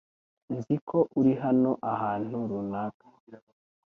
Nzi ko uri hano ahantu runaka .